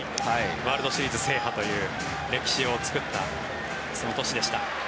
ワールドシリーズ制覇という歴史を作ったその年でした。